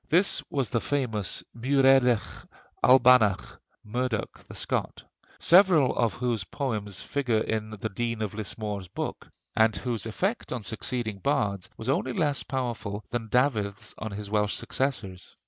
This was the famous Muireadach Albannach (Murdoch the Scot), several of whose poems figure in the Dean of Lismore's book, and whose effect on succeeding bards was only less powerful than Dafydd's on his Welsh successors.